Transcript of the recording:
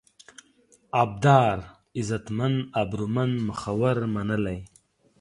ابدار: عزتمن، ابرومند ، مخور، منلی